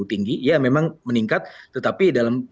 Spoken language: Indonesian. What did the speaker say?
tinggi ya memang meningkat tetapi dalam